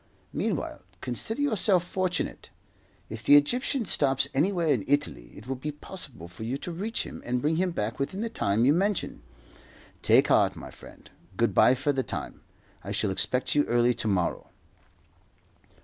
Meanwhile, consider yourself fortunate. If the Egyptian stops anywhere in Italy, it will be possible for you to reach him and bring him back within the time you mention. Take heart, my friend. Good bye for the time. I shall expect you early to morrow."